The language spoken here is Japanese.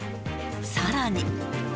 さらに。